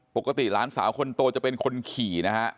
ปกติหลานสาวคนโตจะเป็นคนขี่นะฮะ